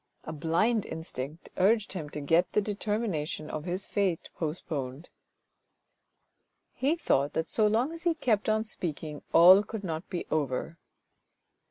A blind instinct urged him to get the determina tion of his fate postponed. He thought that, so long as he THE JAPANESE VASE 375 kept on speaking, all could not be over.